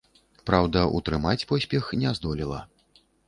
Праўда, утрымаць поспех не здолела.